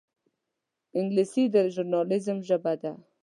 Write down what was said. انګلیسي د ژورنالېزم ژبه ده